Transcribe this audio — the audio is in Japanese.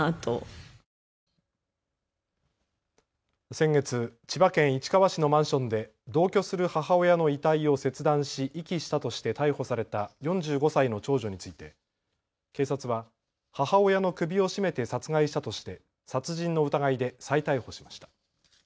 先月、千葉県市川市のマンションで同居する母親の遺体を切断し遺棄したとして逮捕された４５歳の長女について警察は母親の首を絞めて殺害したとして殺人の疑いで再逮捕しました。